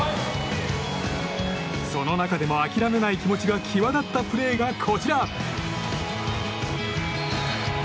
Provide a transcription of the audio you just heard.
その中でも、諦めない気持ちが際立ったプレーがこちら。